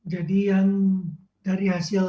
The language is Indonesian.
jadi yang dari hasil